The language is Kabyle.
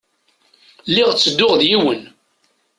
Lliɣ ttedduɣ d yiwen.